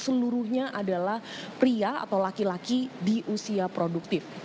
seluruhnya adalah pria atau laki laki di usia produktif